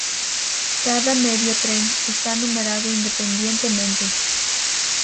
Cada "medio tren" está numerado independientemente.